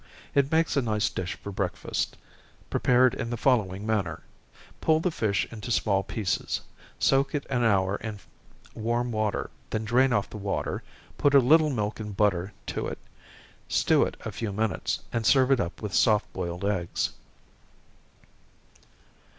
It makes a nice dish for breakfast, prepared in the following manner. Pull the fish into small pieces, soak it an hour in warm water, then drain off the water, put a little milk and butter to it, stew it a few minutes, and serve it up with soft boiled eggs.